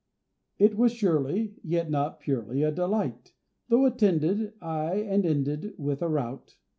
It was surely (yet not purely) a delight, Though attended,— ay, and ended, with a rout.